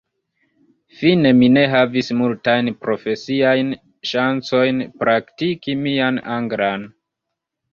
Fine mi ne havis multajn profesiajn ŝancojn praktiki mian anglan.